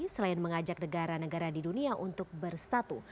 selain mengajak negara negara di dunia untuk bersatu